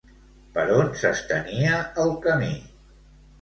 Per on s'estenia el camí?